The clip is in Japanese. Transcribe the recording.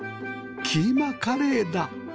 キーマカレーだ